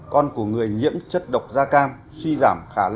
một con của người nhiễm chất độc da cam suy giảm